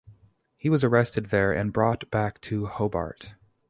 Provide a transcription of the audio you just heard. He was arrested there and brought back to Hobart.